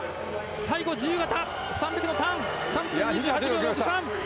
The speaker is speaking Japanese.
最後の自由形、３００のターン３分２８秒６３！